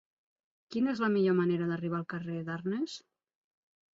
Quina és la millor manera d'arribar al carrer d'Arnes?